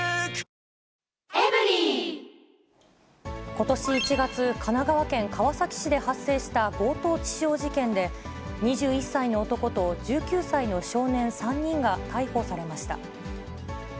ことし１月、神奈川県川崎市で発生した強盗致傷事件で、２１歳の男と１９歳の少年３人が逮捕されました。